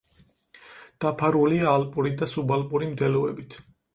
დაფარულია ალპური და სუბალპური მდელოებით.